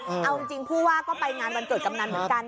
เอาจริงผู้ว่าก็ไปงานวันเกิดกำนันเหมือนกัน